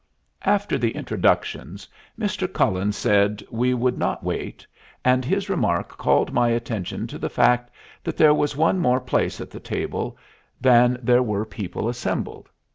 After the introductions, Mr. Cullen said we would not wait, and his remark called my attention to the fact that there was one more place at the table than there were people assembled.